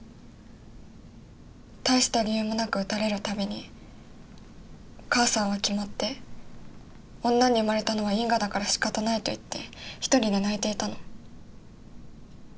大した理由もなく打たれる度に母さんは決まって「女に生まれたのは因果だからしかたない」と言って一人で泣いていたの。